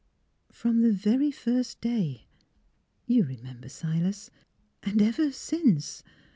'' From the very first day — you remember, Silas? And — ever since."